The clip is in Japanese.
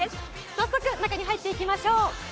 早速、中に入っていきましょう。